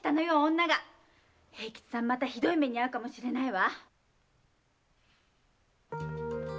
女が平吉さんまたひどい目に遭うかもしれないわ。